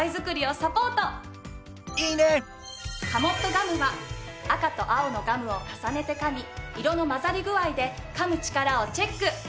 ガム」は赤と青のガムを重ねて噛み色の混ざり具合で噛むチカラをチェック！